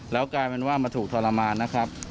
แล้วกลายเป็นว่ามาถูกทรมานนะครับ